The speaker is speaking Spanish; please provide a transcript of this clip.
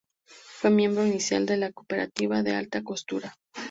Fue miembro inicial de la Cooperativa de Alta Costura.